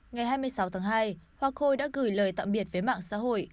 ngày hai mươi sáu tháng hai hoa khôi đã gửi lời tạm biệt với mạng xã hội